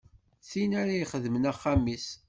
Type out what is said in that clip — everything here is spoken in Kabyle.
D tin ara ixedmen axxam-is.